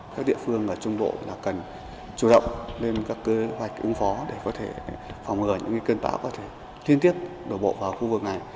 các địa phương ở trung bộ cần chủ động lên các kế hoạch ứng phó để có thể phòng ngờ những cơn bão có thể tiên tiết đổ bộ vào khu vực này